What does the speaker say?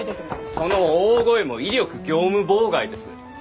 その大声も威力業務妨害です。